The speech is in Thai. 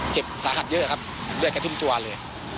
เจ็บสาหัสเยอะครับเลือดกระทุ่มตัวเลย